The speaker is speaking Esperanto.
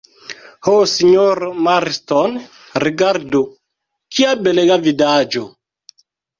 Ho, sinjoro Marston, rigardu, kia belega vidaĵo!